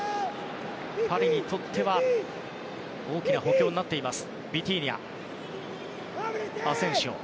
パリにとっては大きな補強になっています。